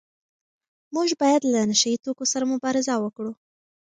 موږ باید له نشه يي توکو سره مبارزه وکړو.